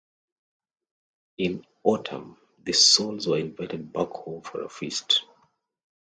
In autumn the souls were invited back home for a feast.